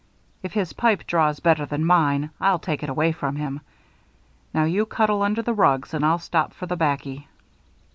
If his pipe draws better than mine I'll take it away from him. Now, you cuddle under the rugs and I'll stop for the 'baccy."